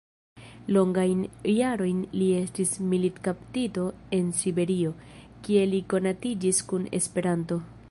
Longajn jarojn li estis militkaptito en Siberio, kie li konatiĝis kun Esperanto.